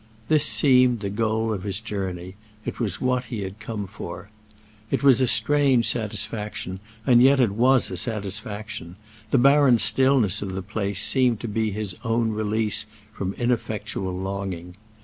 This seemed the goal of his journey; it was what he had come for. It was a strange satisfaction, and yet it was a satisfaction; the barren stillness of the place seemed to be his own release from ineffectual longing.